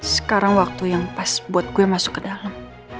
sekarang waktu yang pas buat gue masuk ke dalam